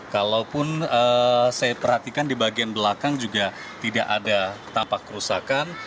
kalaupun saya perhatikan di bagian belakang juga tidak ada tampak kerusakan